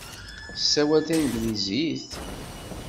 Tessawal tanglizit?